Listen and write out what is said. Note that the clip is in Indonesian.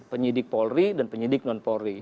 penyidik polri dan penyidik non polri